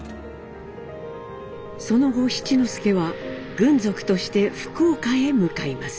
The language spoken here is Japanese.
その後七之助は軍属として福岡へ向かいます。